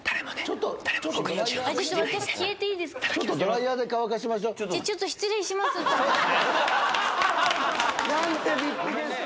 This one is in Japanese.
ちょっとドライヤーで乾かしましょう。なんてビッグゲストだ！